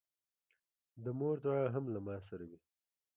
د مور دعا هم له ما سره وي.